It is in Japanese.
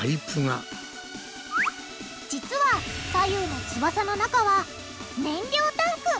実は左右の翼の中は燃料タンク。